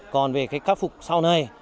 còn về cái khắc phục sau này